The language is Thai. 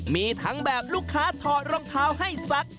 มีทั้งแบบลูกค้าถอดรองเท้าให้ซัก